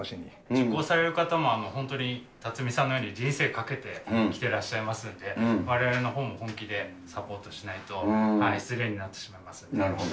受講される方も本当に辰己さんのように人生懸けて来てらっしゃいますんで、われわれのほうも本気でサポートしないと失礼にななるほど。